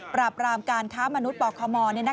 ปรับปรามการคาดมนุษย์ป่อคอมอร์